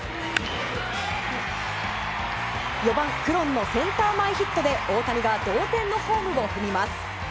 ４番クロンのセンター前ヒットで大谷が同点のホームを踏みます。